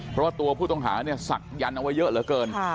เพราะว่าตัวผู้ต้องหาเนี่ยศักยันต์เอาไว้เยอะเหลือเกิน